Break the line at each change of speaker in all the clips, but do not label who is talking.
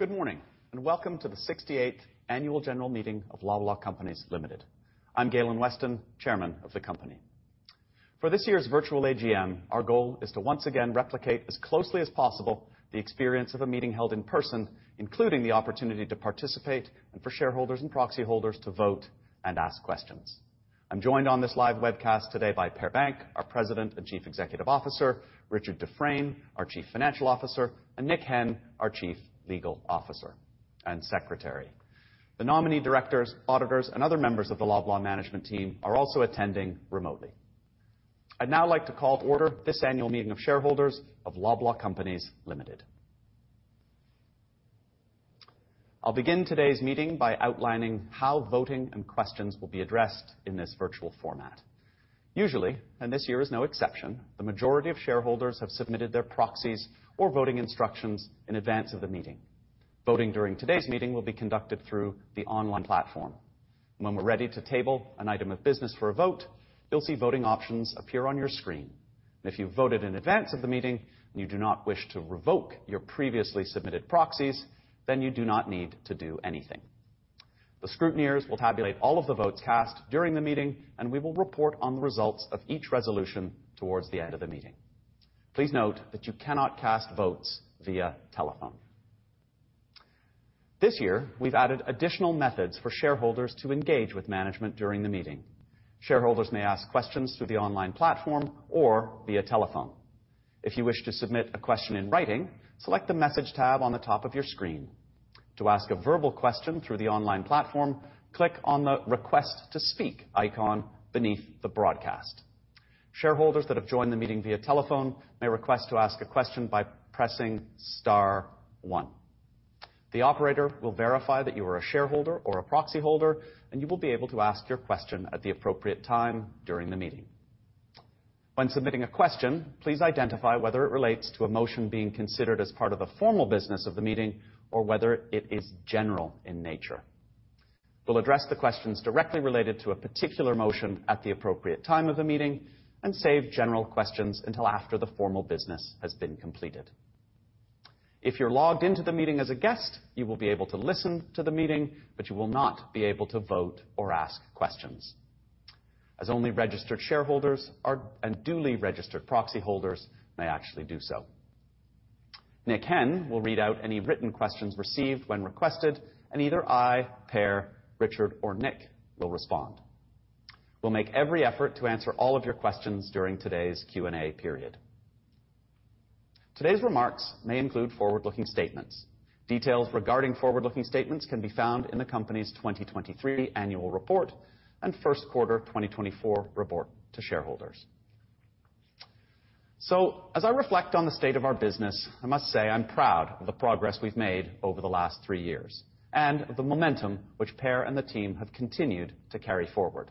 Good morning, and welcome to the 68th Annual General Meeting of Loblaw Companies Limited. I'm Galen Weston, Chairman of the company. For this year's virtual AGM, our goal is to once again replicate as closely as possible the experience of a meeting held in person, including the opportunity to participate and for shareholders and proxy holders to vote and ask questions. I'm joined on this live webcast today by Per Bank, our President and Chief Executive Officer, Richard Dufresne, our Chief Financial Officer, and Nick Henn, our Chief Legal Officer and Secretary. The nominee directors, auditors, and other members of the Loblaw management team are also attending remotely. I'd now like to call to order this annual meeting of shareholders of Loblaw Companies Limited. I'll begin today's meeting by outlining how voting and questions will be addressed in this virtual format. Usually, and this year is no exception, the majority of shareholders have submitted their proxies or voting instructions in advance of the meeting. Voting during today's meeting will be conducted through the online platform. When we're ready to table an item of business for a vote, you'll see voting options appear on your screen. If you voted in advance of the meeting and you do not wish to revoke your previously submitted proxies, then you do not need to do anything. The scrutineers will tabulate all of the votes cast during the meeting, and we will report on the results of each resolution towards the end of the meeting. Please note that you cannot cast votes via telephone. This year, we've added additional methods for shareholders to engage with management during the meeting. Shareholders may ask questions through the online platform or via telephone. If you wish to submit a question in writing, select the Message tab on the top of your screen. To ask a verbal question through the online platform, click on the Request to Speak icon beneath the broadcast. Shareholders that have joined the meeting via telephone may request to ask a question by pressing star one. The operator will verify that you are a shareholder or a proxy holder, and you will be able to ask your question at the appropriate time during the meeting. When submitting a question, please identify whether it relates to a motion being considered as part of the formal business of the meeting, or whether it is general in nature. We'll address the questions directly related to a particular motion at the appropriate time of the meeting and save general questions until after the formal business has been completed. If you're logged into the meeting as a guest, you will be able to listen to the meeting, but you will not be able to vote or ask questions, as only registered Shareholders are, and duly registered proxy holders may actually do so. Nick Henn will read out any written questions received when requested, and either I, Per, Richard, or Nick will respond. We'll make every effort to answer all of your questions during today's Q and A period. Today's remarks may include forward-looking statements. Details regarding forward-looking statements can be found in the company's 2023 annual report and first quarter 2024 report to shareholders. As I reflect on the state of our business, I must say I'm proud of the progress we've made over the last three years and the momentum which Per and the team have continued to carry forward.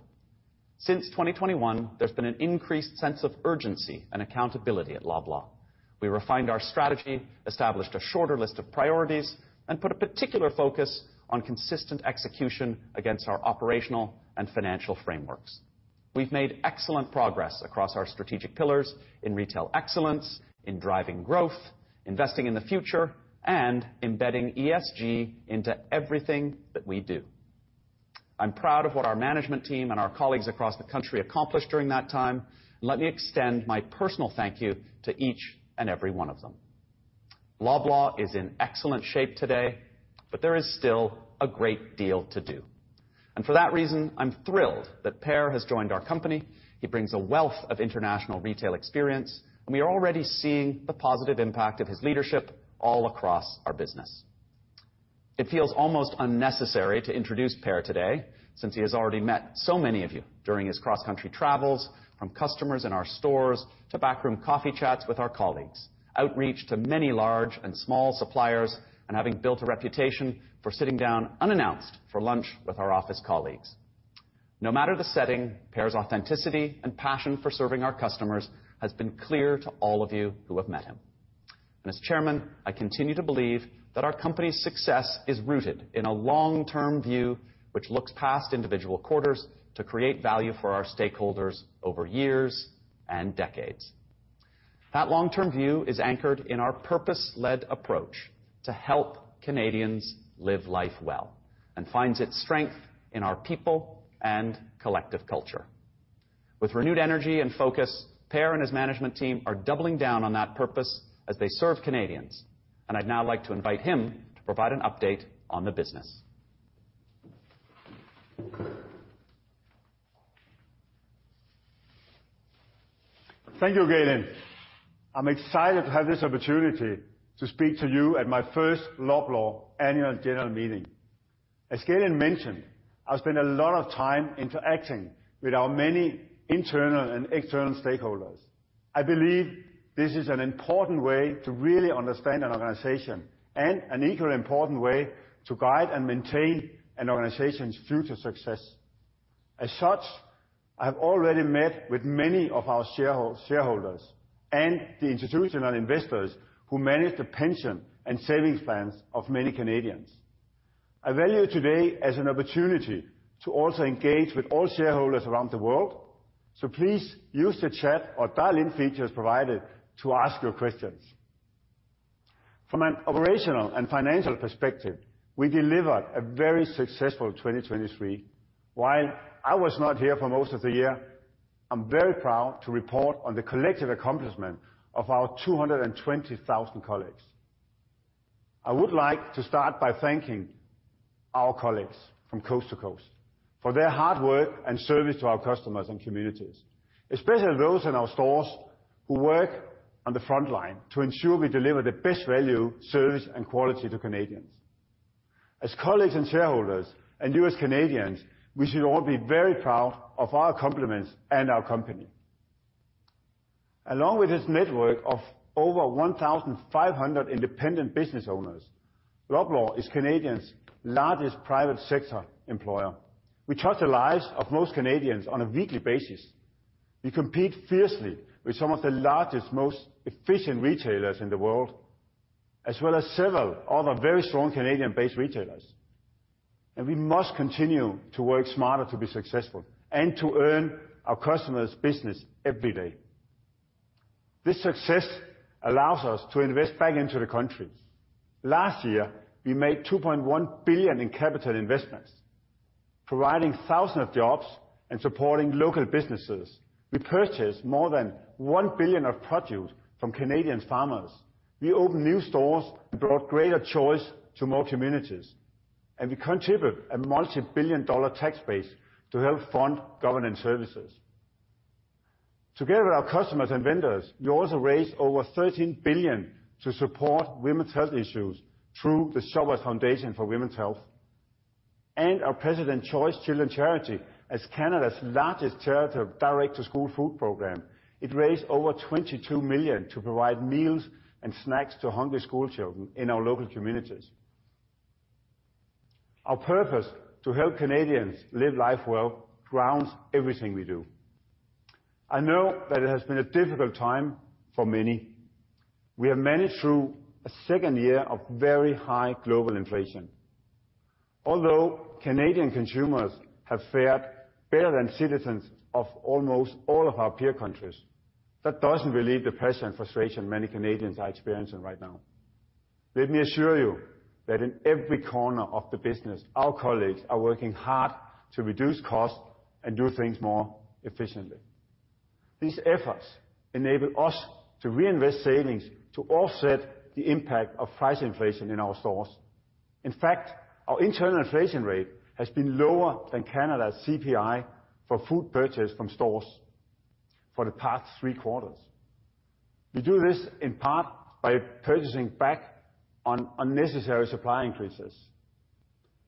Since 2021, there's been an increased sense of urgency and accountability at Loblaw. We refined our strategy, established a shorter list of priorities, and put a particular focus on consistent execution against our operational and financial frameworks. We've made excellent progress across our strategic pillars in retail excellence, in driving growth, investing in the future, and embedding ESG into everything that we do. I'm proud of what our management team and our colleagues across the country accomplished during that time. Let me extend my personal thank you to each and every one of them. Loblaw is in excellent shape today, but there is still a great deal to do. And for that reason, I'm thrilled that Per has joined our company. He brings a wealth of international retail experience, and we are already seeing the positive impact of his leadership all across our business. It feels almost unnecessary to introduce Per today, since he has already met so many of you during his cross-country travels, from customers in our stores to backroom coffee chats with our colleagues, outreach to many large and small suppliers, and having built a reputation for sitting down unannounced for lunch with our office colleagues. No matter the setting, Per's authenticity and passion for serving our customers has been clear to all of you who have met him. As Chairman, I continue to believe that our company's success is rooted in a long-term view, which looks past individual quarters to create value for our stakeholders over years and decades. That long-term view is anchored in our purpose-led approach to help Canadians live life well and finds its strength in our people and collective culture. With renewed energy and focus, Per and his management team are doubling down on that purpose as they serve Canadians, and I'd now like to invite him to provide an update on the business.
Thank you, Galen. I'm excited to have this opportunity to speak to you at my first Loblaw Annual General Meeting. As Galen mentioned, I've spent a lot of time interacting with our many internal and external stakeholders. I believe this is an important way to really understand an organization, and an equally important way to guide and maintain an organization's future success. As such, I have already met with many of our shareholders and the institutional investors who manage the pension and savings plans of many Canadians. I value today as an opportunity to also engage with all shareholders around the world, so please use the chat or dial-in features provided to ask your questions. From an operational and financial perspective, we delivered a very successful 2023. While I was not here for most of the year, I'm very proud to report on the collective accomplishment of our 220,000 colleagues. I would like to start by thanking our colleagues from coast to coast for their hard work and service to our customers and communities, especially those in our stores who work on the front line to ensure we deliver the best value, service, and quality to Canadians. As colleagues and shareholders, and you as Canadians, we should all be very proud of our accomplishments and our company. Along with this network of over 1,500 independent business owners, Loblaw is Canadians' largest private sector employer. We touch the lives of most Canadians on a weekly basis. We compete fiercely with some of the largest, most efficient retailers in the world, as well as several other very strong Canadian-based retailers, and we must continue to work smarter to be successful and to earn our customers' business every day. This success allows us to invest back into the country. Last year, we made 2.1 billion in capital investments, providing thousands of jobs and supporting local businesses. We purchased more than 1 billion of produce from Canadian farmers. We opened new stores and brought greater choice to more communities, and we contributed a CAD multi-billion-dollar tax base to help fund government services. Together with our customers and vendors, we also raised over 13 billion to support women's health issues through the Shoppers Foundation for Women's Health. Our President's Choice Children's Charity, as Canada's largest charitable direct-to-school food program, it raised over 22 million to provide meals and snacks to hungry school children in our local communities. Our purpose to help Canadians live life well grounds everything we do. I know that it has been a difficult time for many. We have managed through a second year of very high global inflation. Although Canadian consumers have fared better than citizens of almost all of our peer countries, that doesn't relieve the pressure and frustration many Canadians are experiencing right now. Let me assure you that in every corner of the business, our colleagues are working hard to reduce costs and do things more efficiently. These efforts enable us to reinvest savings to offset the impact of price inflation in our stores. In fact, our internal inflation rate has been lower than Canada's CPI for food purchased from stores for the past three quarters. We do this in part by purchasing back on unnecessary supply increases,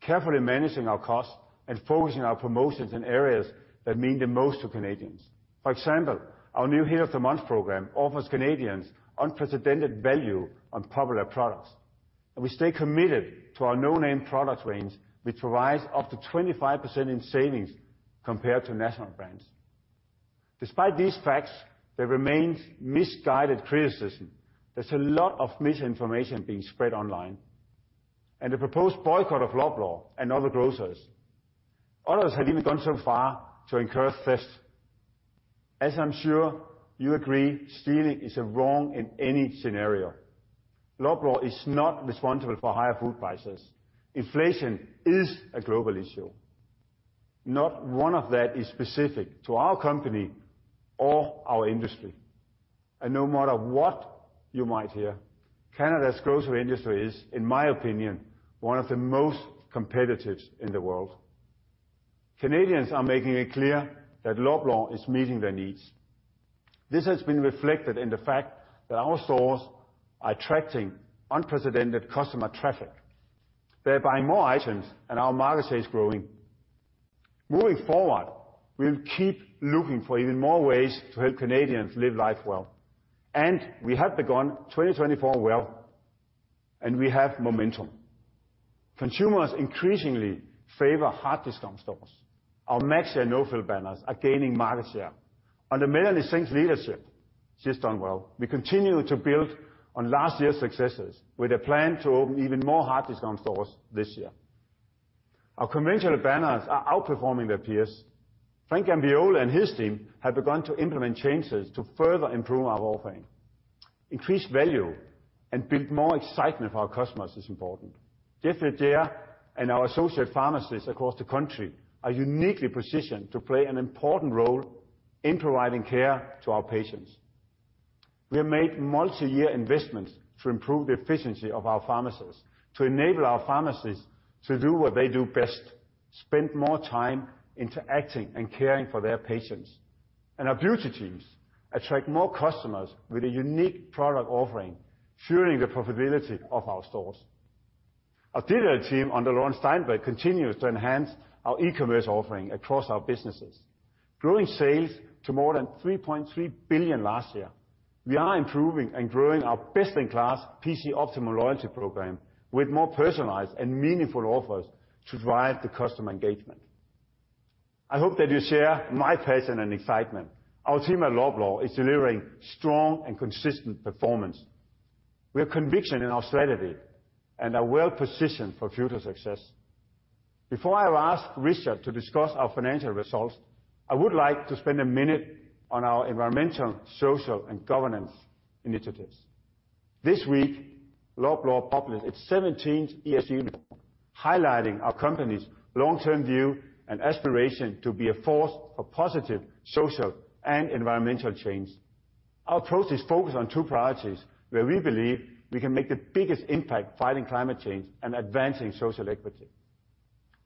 carefully managing our costs, and focusing our promotions in areas that mean the most to Canadians. For example, our new Hit of the Month program offers Canadians unprecedented value on popular products, and we stay committed to our No Name product range, which provides up to 25% in savings compared to national brands. Despite these facts, there remains misguided criticism. There's a lot of misinformation being spread online and a proposed boycott of Loblaw and other grocers. Others have even gone so far to encourage theft. As I'm sure you agree, stealing is wrong in any scenario. Loblaw is not responsible for higher food prices. Inflation is a global issue. Not one of that is specific to our company or our industry, and no matter what you might hear, Canada's grocery industry is, in my opinion, one of the most competitive in the world. Canadians are making it clear that Loblaw is meeting their needs. This has been reflected in the fact that our stores are attracting unprecedented customer traffic. They're buying more items, and our market share is growing. Moving forward, we'll keep looking for even more ways to help Canadians live life well, and we have begun 2024 well, and we have momentum. Consumers increasingly favor hard discount stores. Our Maxi and No Frills banners are gaining market share. Under Melanie Singh leadership, she has done well. We continue to build on last year's successes with a plan to open even more hard discount stores this year. Our conventional banners are outperforming their peers. Frank Gambioli and his team have begun to implement changes to further improve our offering. Increased value and build more excitement for our customers is important. Jeff Leger and our associate pharmacists across the country are uniquely positioned to play an important role in providing care to our patients. We have made multiyear investments to improve the efficiency of our pharmacists, to enable our pharmacists to do what they do best, spend more time interacting and caring for their patients. Our beauty teams attract more customers with a unique product offering, fueling the profitability of our stores. Our digital team, under Lauren Steinberg, continues to enhance our e-commerce offering across our businesses, growing sales to more than 3.3 billion last year. We are improving and growing our best-in-class PC Optimum loyalty program with more personalized and meaningful offers to drive the customer engagement. I hope that you share my passion and excitement. Our team at Loblaw is delivering strong and consistent performance. We have conviction in our strategy and are well-positioned for future success. Before I ask Richard to discuss our financial results, I would like to spend a minute on our environmental, social, and governance initiatives. This week, Loblaw published its 17th ESG, highlighting our company's long-term view and aspiration to be a force for positive social and environmental change. Our approach is focused on two priorities, where we believe we can make the biggest impact fighting climate change and advancing social equity.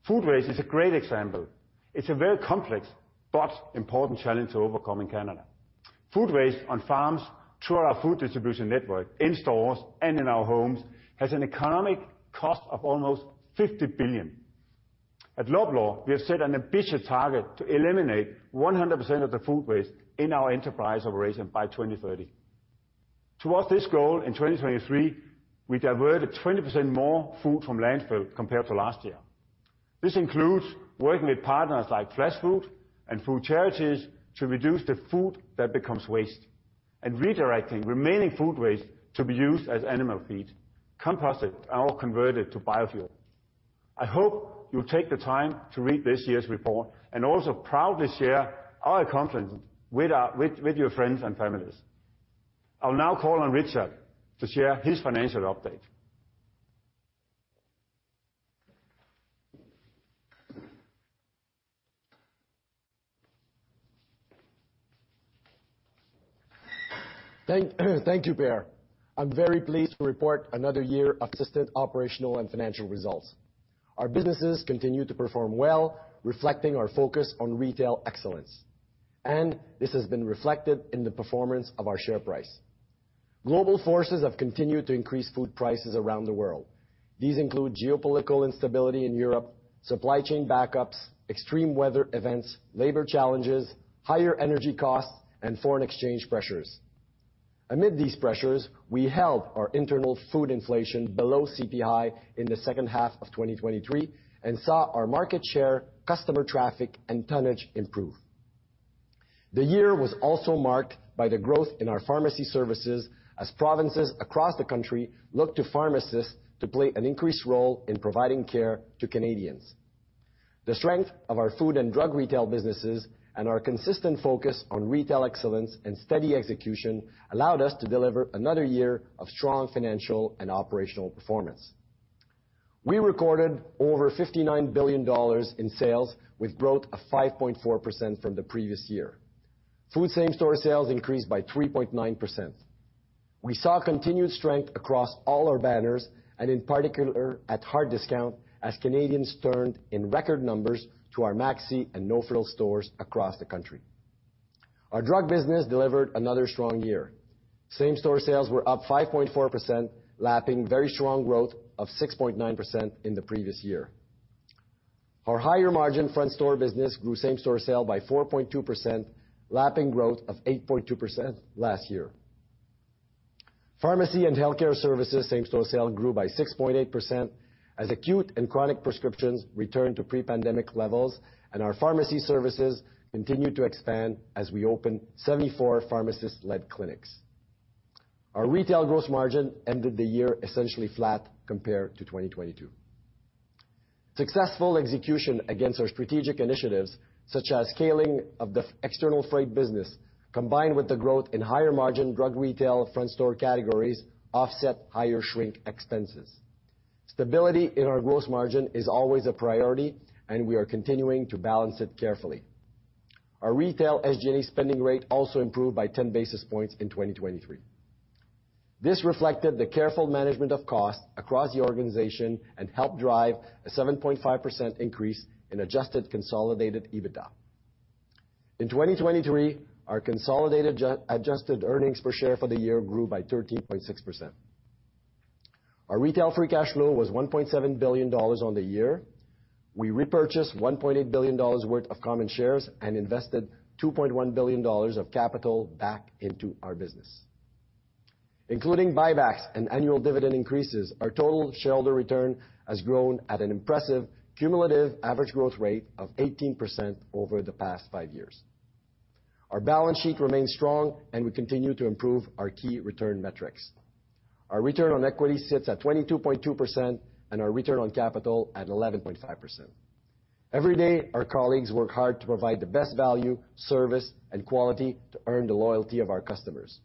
Food waste is a great example. It's a very complex but important challenge to overcome in Canada. Food waste on farms, through our food distribution network, in stores, and in our homes, has an economic cost of almost 50 billion. At Loblaw, we have set an ambitious target to eliminate 100% of the food waste in our enterprise operation by 2030. Towards this goal, in 2023, we diverted 20% more food from landfill compared to last year. This includes working with partners like Flashfood and food charities to reduce the food that becomes waste, and redirecting remaining food waste to be used as animal feed, composted, or converted to biofuel. I hope you'll take the time to read this year's report and also proudly share our accomplishments with your friends and families. I'll now call on Richard to share his financial update.
Thank you, Per. I'm very pleased to report another year of consistent operational and financial results. Our businesses continue to perform well, reflecting our focus on retail excellence, and this has been reflected in the performance of our share price. Global forces have continued to increase food prices around the world. These include geopolitical instability in Europe, supply chain backups, extreme weather events, labor challenges, higher energy costs, and foreign exchange pressures. Amid these pressures, we held our internal food inflation below CPI in the second half of 2023 and saw our market share, customer traffic, and tonnage improve. The year was also marked by the growth in our pharmacy services as provinces across the country looked to pharmacists to play an increased role in providing care to Canadians. The strength of our food and drug retail businesses, and our consistent focus on retail excellence and steady execution, allowed us to deliver another year of strong financial and operational performance. We recorded over 59 billion dollars in sales, with growth of 5.4% from the previous year. Food Same-Store Sales increased by 3.9%. We saw continued strength across all our banners, and in particular, at Hard Discount, as Canadians turned in record numbers to our Maxi and No Frills stores across the country. Our drug business delivered another strong year. Same-Store Sales were up 5.4%, lapping very strong growth of 6.9% in the previous year. Our higher margin front store business grew Same-Store Sales by 4.2%, lapping growth of 8.2% last year. Pharmacy and healthcare services same-store sales grew by 6.8%, as acute and chronic prescriptions returned to pre-pandemic levels, and our pharmacy services continued to expand as we opened 74 pharmacist-led clinics. Our retail gross margin ended the year essentially flat compared to 2022. Successful execution against our strategic initiatives, such as scaling of the external freight business, combined with the growth in higher margin drug retail front store categories, offset higher shrink expenses. Stability in our gross margin is always a priority, and we are continuing to balance it carefully. Our retail SG&A spending rate also improved by 10 basis points in 2023. This reflected the careful management of costs across the organization and helped drive a 7.5% increase in adjusted consolidated EBITDA. In 2023, our consolidated adjusted earnings per share for the year grew by 13.6%. Our retail free cash flow was 1.7 billion dollars on the year. We repurchased 1.8 billion dollars worth of common shares and invested 2.1 billion dollars of capital back into our business. Including buybacks and annual dividend increases, our total shareholder return has grown at an impressive cumulative average growth rate of 18% over the past five years. Our balance sheet remains strong, and we continue to improve our key return metrics. Our return on equity sits at 22.2% and our return on capital at 11.5%. Every day, our colleagues work hard to provide the best value, service, and quality to earn the loyalty of our customers.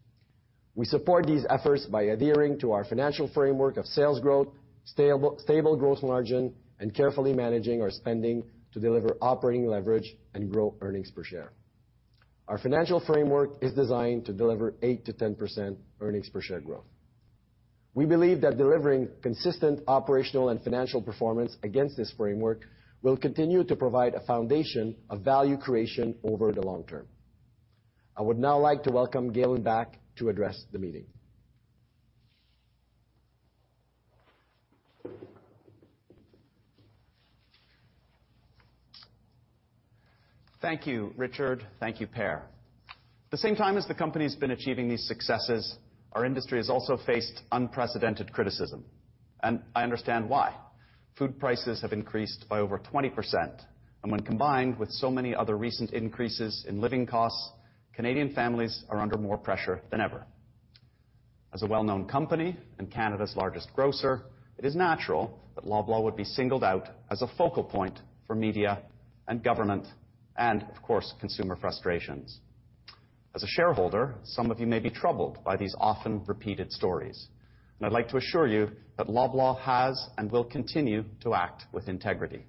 We support these efforts by adhering to our financial framework of sales growth, stable, stable growth margin, and carefully managing our spending to deliver operating leverage and grow earnings per share. Our financial framework is designed to deliver 8%-10% earnings per share growth. We believe that delivering consistent operational and financial performance against this framework will continue to provide a foundation of value creation over the long term. I would now like to welcome Galen back to address the meeting.
Thank you, Richard. Thank you, Per. At the same time as the company's been achieving these successes, our industry has also faced unprecedented criticism, and I understand why. Food prices have increased by over 20%, and when combined with so many other recent increases in living costs, Canadian families are under more pressure than ever. As a well-known company and Canada's largest grocer, it is natural that Loblaw would be singled out as a focal point for media and government and, of course, consumer frustrations. As a shareholder, some of you may be troubled by these often repeated stories, and I'd like to assure you that Loblaw has and will continue to act with integrity.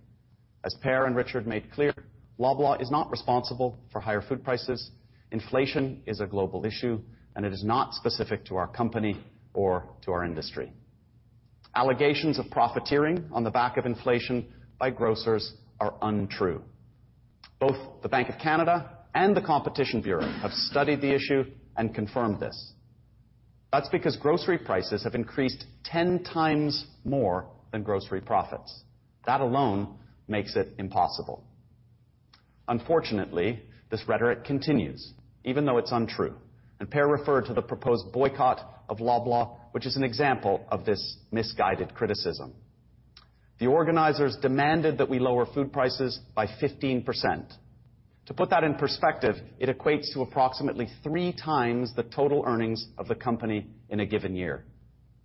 As Per and Richard made clear, Loblaw is not responsible for higher food prices. Inflation is a global issue, and it is not specific to our company or to our industry. Allegations of profiteering on the back of inflation by grocers are untrue. Both the Bank of Canada and the Competition Bureau have studied the issue and confirmed this. That's because grocery prices have increased ten times more than grocery profits. That alone makes it impossible. Unfortunately, this rhetoric continues even though it's untrue, and Per referred to the proposed boycott of Loblaw, which is an example of this misguided criticism. The organizers demanded that we lower food prices by 15%. To put that in perspective, it equates to approximately three times the total earnings of the company in a given year.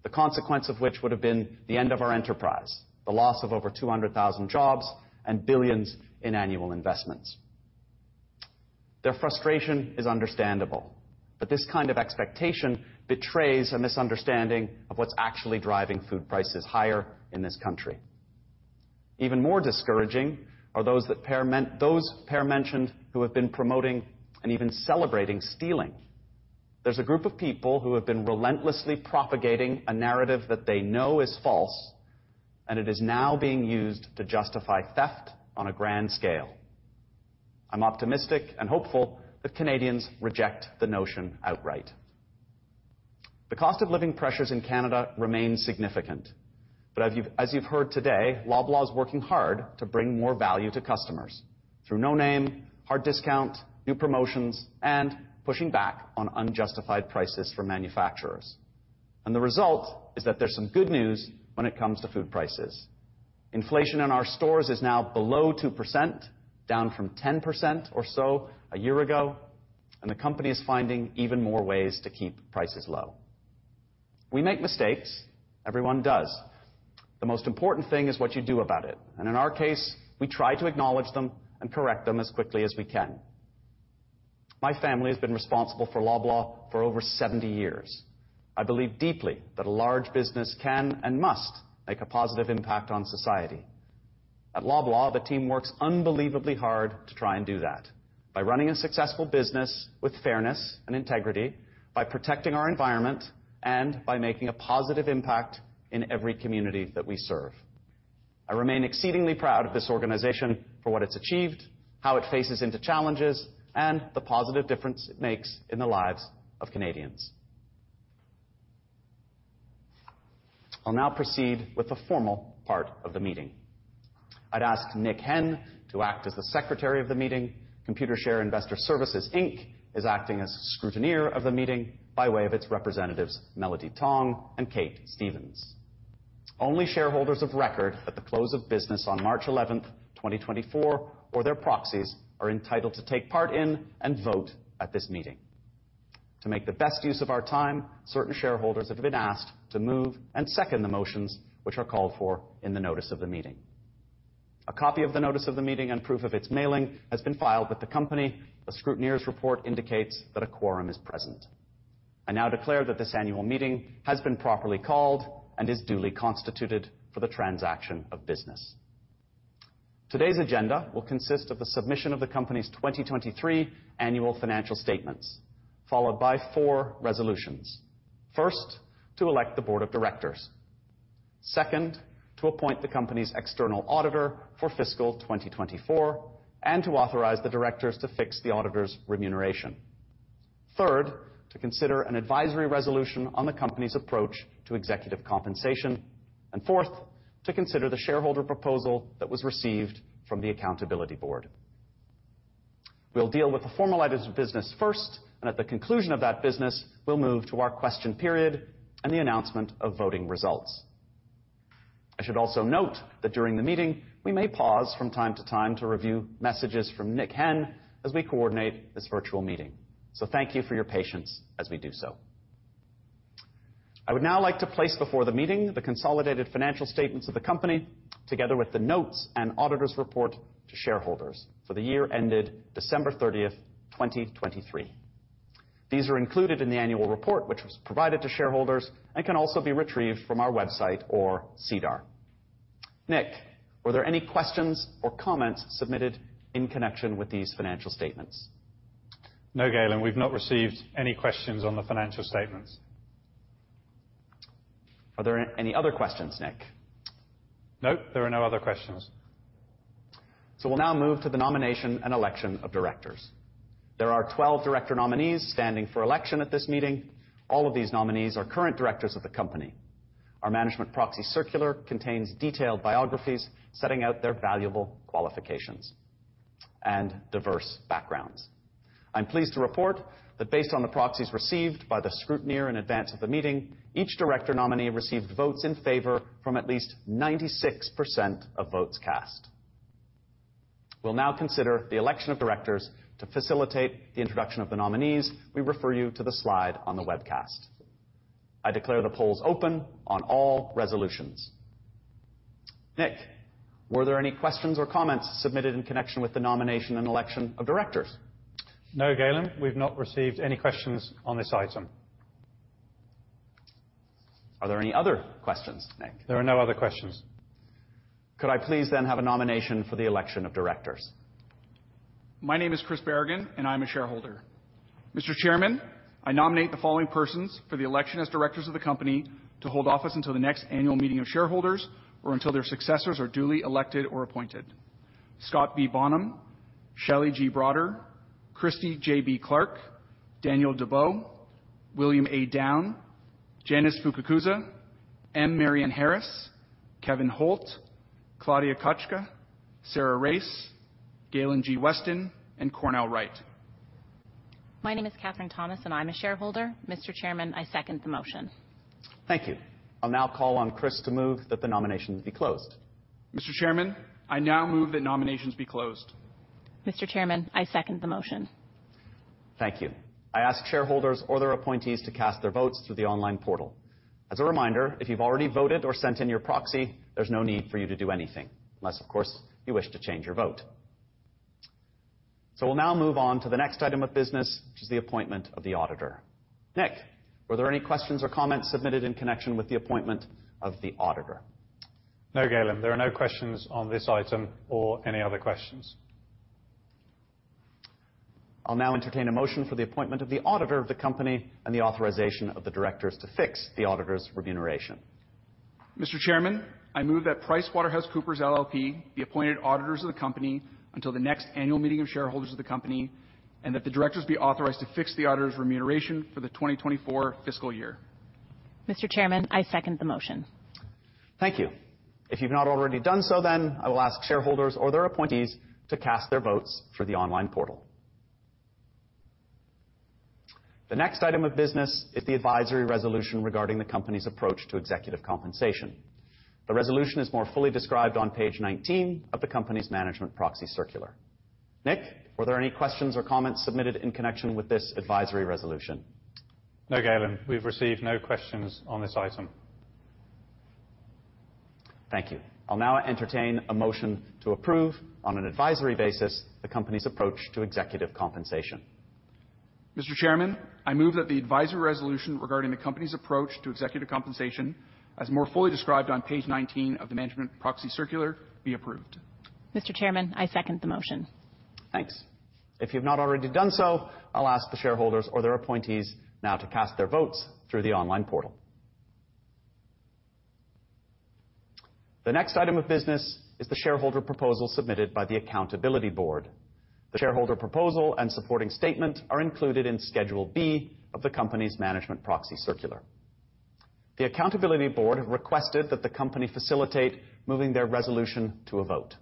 The consequence of which would have been the end of our enterprise, the loss of over 200,000 jobs and billions in annual investments. Their frustration is understandable, but this kind of expectation betrays a misunderstanding of what's actually driving food prices higher in this country. Even more discouraging are those that Per mentioned, who have been promoting and even celebrating, stealing. There's a group of people who have been relentlessly propagating a narrative that they know is false, and it is now being used to justify theft on a grand scale. I'm optimistic and hopeful that Canadians reject the notion outright. The cost of living pressures in Canada remains significant, but as you've, as you've heard today, Loblaw is working hard to bring more value to customers through No Name, hard discount, new promotions, and pushing back on unjustified prices for manufacturers. And the result is that there's some good news when it comes to food prices. Inflation in our stores is now below 2%, down from 10% or so a year ago, and the company is finding even more ways to keep prices low. We make mistakes. Everyone does. The most important thing is what you do about it, and in our case, we try to acknowledge them and correct them as quickly as we can. My family has been responsible for Loblaw for over 70 years. I believe deeply that a large business can and must make a positive impact on society. At Loblaw, the team works unbelievably hard to try and do that by running a successful business with fairness and integrity, by protecting our environment, and by making a positive impact in every community that we serve. I remain exceedingly proud of this organization for what it's achieved, how it faces into challenges, and the positive difference it makes in the lives of Canadians. I'll now proceed with the formal part of the meeting. I'd ask Nick Henn to act as the secretary of the meeting. Computershare Investor Services, Inc. is acting as scrutineer of the meeting by way of its representatives, Melody Tong and Kate Stevens. Only shareholders of record at the close of business on March 11, 2024, or their proxies, are entitled to take part in and vote at this meeting. To make the best use of our time, certain shareholders have been asked to move and second the motions which are called for in the notice of the meeting. A copy of the notice of the meeting and proof of its mailing has been filed with the company. The scrutineer's report indicates that a quorum is present. I now declare that this annual meeting has been properly called and is duly constituted for the transaction of business. Today's agenda will consist of the submission of the company's 2023 annual financial statements, followed by four resolutions. First, to elect the board of directors. Second, to appoint the company's external auditor for fiscal 2024, and to authorize the directors to fix the auditor's remuneration. Third, to consider an advisory resolution on the company's approach to executive compensation, and fourth, to consider the shareholder proposal that was received from the Accountability Board. We'll deal with the formal items of business first, and at the conclusion of that business, we'll move to our question period and the announcement of voting results. I should also note that during the meeting, we may pause from time to time to review messages from Nick Henn as we coordinate this virtual meeting. So thank you for your patience as we do so. I would now like to place before the meeting the consolidated financial statements of the company, together with the notes and auditor's report to shareholders for the year ended December 30, 2023. These are included in the annual report, which was provided to shareholders and can also be retrieved from our website or SEDAR. Nick, were there any questions or comments submitted in connection with these financial statements?
No, Galen, we've not received any questions on the financial statements.
Are there any other questions, Nick?
Nope, there are no other questions.
We'll now move to the nomination and election of directors. There are 12 director nominees standing for election at this meeting. All of these nominees are current directors of the company. Our management proxy circular contains detailed biographies setting out their valuable qualifications and diverse backgrounds. I'm pleased to report that based on the proxies received by the scrutineer in advance of the meeting, each director nominee received votes in favor from at least 96% of votes cast. We'll now consider the election of directors. To facilitate the introduction of the nominees, we refer you to the slide on the webcast. I declare the polls open on all resolutions. Nick, were there any questions or comments submitted in connection with the nomination and election of directors?
No, Galen, we've not received any questions on this item.
Are there any other questions, Nick?
There are no other questions.
Could I please then have a nomination for the election of directors?
My name is Chris Berrigan, and I'm a Shareholder. Mr. Chairman, I nominate the following persons for the election as directors of the company to hold office until the next annual meeting of shareholders or until their successors are duly elected or appointed: Scott B. Bonham, Shelley G. Broader, Christie J.B. Clark, Daniel Debow, William A. Downe, Janice Fukakusa, M. Marianne Harris, Kevin Holt, Claudia Kotchka, Sarah Raiss, Galen G. Weston, and Cornell Wright.
My name is Katherine Thomas, and I'm a shareholder. Mr. Chairman, I second the motion.
Thank you. I'll now call on Chris to move that the nominations be closed.
Mr. Chairman, I now move that nominations be closed.
Mr. Chairman, I second the motion.
Thank you. I ask shareholders or their appointees to cast their votes through the online portal. As a reminder, if you've already voted or sent in your proxy, there's no need for you to do anything, unless, of course, you wish to change your vote. So we'll now move on to the next item of business, which is the appointment of the auditor. Nick, were there any questions or comments submitted in connection with the appointment of the auditor?
No, Galen, there are no questions on this item or any other questions.
I'll now entertain a motion for the appointment of the auditor of the company and the authorization of the directors to fix the auditor's remuneration.
Mr. Chairman, I move that PricewaterhouseCoopers LLP be appointed auditors of the company until the next annual meeting of shareholders of the company, and that the directors be authorized to fix the auditor's remuneration for the 2024 fiscal year.
Mr. Chairman, I second the motion.
Thank you. If you've not already done so, then, I will ask shareholders or their appointees to cast their votes through the online portal. The next item of business is the advisory resolution regarding the company's approach to executive compensation. The resolution is more fully described on page 19 of the company's management proxy circular. Nick, were there any questions or comments submitted in connection with this advisory resolution?
No, Galen. We've received no questions on this item.
Thank you. I'll now entertain a motion to approve, on an advisory basis, the company's approach to executive compensation.
Mr. Chairman, I move that the advisory resolution regarding the company's approach to executive compensation, as more fully described on page 19 of the management proxy circular, be approved.
Mr. Chairman, I second the motion.
Thanks. If you've not already done so, I'll ask the shareholders or their appointees now to cast their votes through the online portal. The next item of business is the shareholder proposal submitted by the Accountability Board. The shareholder proposal and supporting statement are included in Schedule B of the company's management proxy circular. The Accountability Board have requested that the company facilitate moving their resolution to a vote.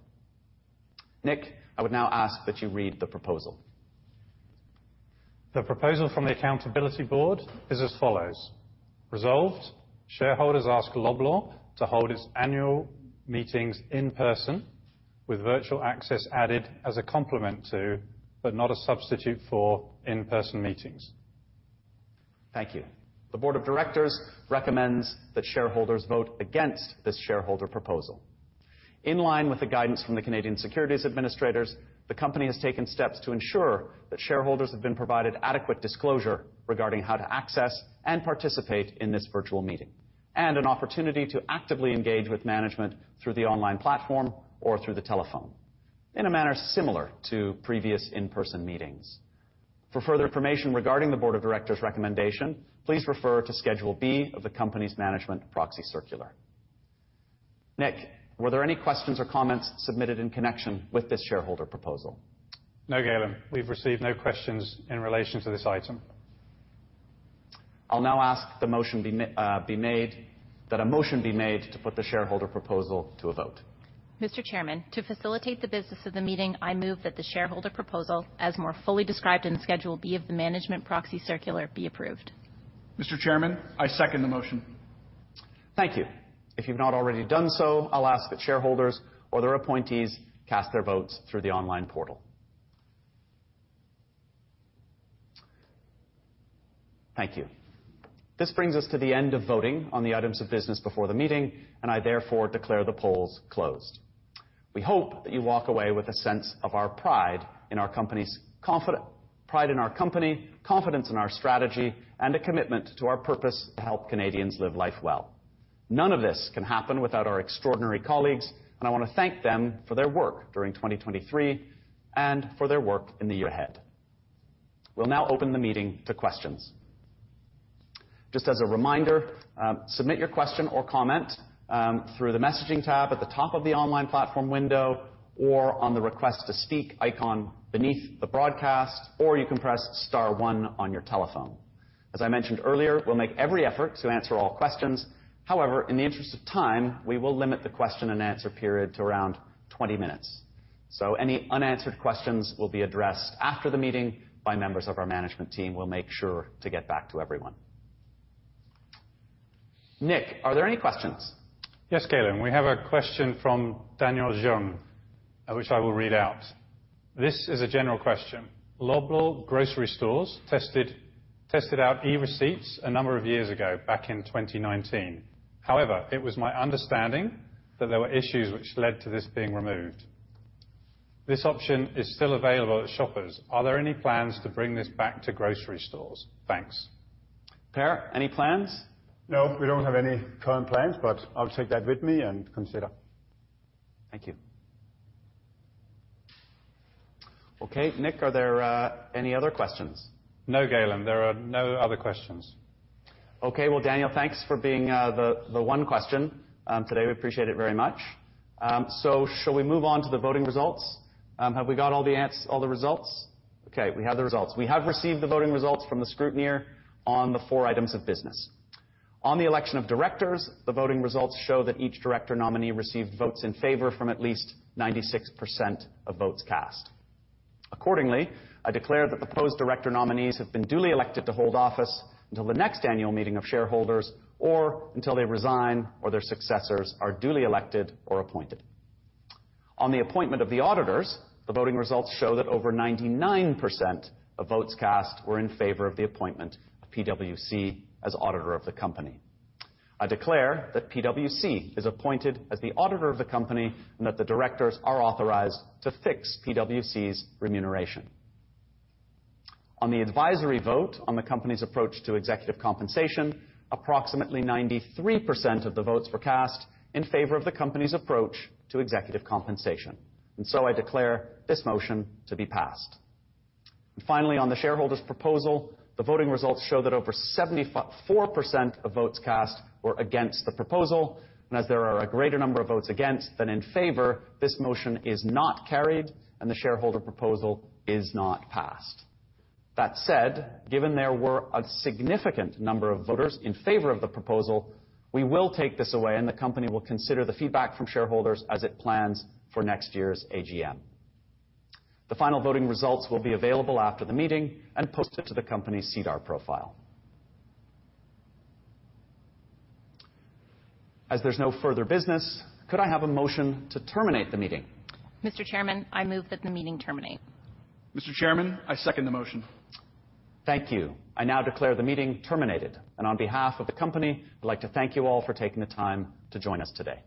Nick, I would now ask that you read the proposal.
The proposal from the Accountability Board is as follows: Resolved, shareholders ask Loblaw to hold its annual meetings in person with virtual access added as a complement to, but not a substitute for, in-person meetings.
Thank you. The Board of Directors recommends that shareholders vote against this shareholder proposal. In line with the guidance from the Canadian Securities Administrators, the company has taken steps to ensure that shareholders have been provided adequate disclosure regarding how to access and participate in this virtual meeting, and an opportunity to actively engage with management through the online platform or through the telephone in a manner similar to previous in-person meetings. For further information regarding the Board of Directors' recommendation, please refer to Schedule B of the company's Management Proxy Circular. Nick, were there any questions or comments submitted in connection with this shareholder proposal?
No, Galen, we've received no questions in relation to this item.
I'll now ask the motion be made, that a motion be made to put the shareholder proposal to a vote.
Mr. Chairman, to facilitate the business of the meeting, I move that the shareholder proposal, as more fully described in Schedule B of the management proxy circular, be approved. Mr. Chairman, I second the motion.
Thank you. If you've not already done so, I'll ask that shareholders or their appointees cast their votes through the online portal. Thank you. This brings us to the end of voting on the items of business before the meeting, and I therefore declare the polls closed. We hope that you walk away with a sense of our pride in our company, confidence in our strategy, and a commitment to our purpose to help Canadians live life well. None of this can happen without our extraordinary colleagues, and I want to thank them for their work during 2023 and for their work in the year ahead. We'll now open the meeting to questions. Just as a reminder, submit your question or comment through the messaging tab at the top of the online platform window, or on the Request to Speak icon beneath the broadcast, or you can press star one on your telephone. As I mentioned earlier, we'll make every effort to answer all questions. However, in the interest of time, we will limit the question and answer period to around 20 minutes. So any unanswered questions will be addressed after the meeting by members of our management team. We'll make sure to get back to everyone. Nick, are there any questions?
Yes, Galen. We have a question from Daniel Jung, which I will read out. This is a general question. Loblaw Grocery Stores tested, tested out e-receipts a number of years ago, back in 2019. However, it was my understanding that there were issues which led to this being removed. This option is still available at Shoppers. Are there any plans to bring this back to grocery stores? Thanks.
Per, any plans?
No, we don't have any current plans, but I'll take that with me and consider.
Thank you. Okay, Nick, are there any other questions?
No, Galen, there are no other questions.
Okay, well, Daniel, thanks for being the one question today. We appreciate it very much. So shall we move on to the voting results? Have we got all the results? Okay, we have the results. We have received the voting results from the scrutineer on the four items of business. On the election of directors, the voting results show that each director nominee received votes in favor from at least 96% of votes cast. Accordingly, I declare that the proposed director nominees have been duly elected to hold office until the next annual meeting of shareholders, or until they resign, or their successors are duly elected or appointed. On the appointment of the auditors, the voting results show that over 99% of votes cast were in favor of the appointment of PwC as auditor of the company. I declare that PwC is appointed as the auditor of the company, and that the directors are authorized to fix PwC's remuneration. On the advisory vote on the company's approach to executive compensation, approximately 93% of the votes were cast in favor of the company's approach to executive compensation, and so I declare this motion to be passed. And finally, on the shareholder's proposal, the voting results show that over 74% of votes cast were against the proposal, and as there are a greater number of votes against than in favor, this motion is not carried, and the shareholder proposal is not passed. That said, given there were a significant number of voters in favor of the proposal, we will take this away, and the company will consider the feedback from shareholders as it plans for next year's AGM. The final voting results will be available after the meeting and posted to the company's SEDAR profile. As there's no further business, could I have a motion to terminate the meeting?
Mr. Chairman, I move that the meeting terminate.
Mr. Chairman, I second the motion.
Thank you. I now declare the meeting terminated, and on behalf of the company, I'd like to thank you all for taking the time to join us today.